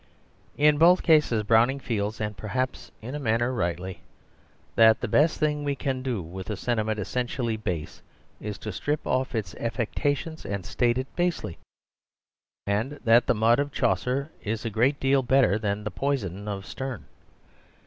In both cases Browning feels, and perhaps in a manner rightly, that the best thing we can do with a sentiment essentially base is to strip off its affectations and state it basely, and that the mud of Chaucer is a great deal better than the poison of Sterne.